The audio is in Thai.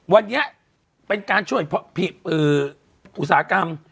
วันนี้เป็นการช่วยอุตสาหกรรม